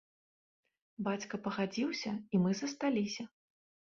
Бацька пагадзіўся, і мы засталіся.